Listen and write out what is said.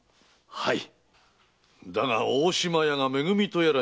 はい。